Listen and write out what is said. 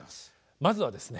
まずはですね